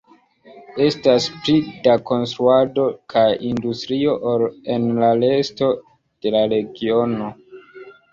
Estas pli da konstruado kaj industrio ol en la resto de la regiono.